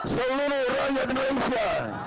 seluruh rakyat indonesia